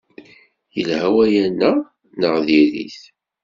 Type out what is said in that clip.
Yelha waya neɣ diri-t?